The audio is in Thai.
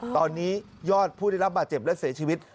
ตอนนี้ยอดผู้ได้รับบาดเจ็บและเสียชีวิต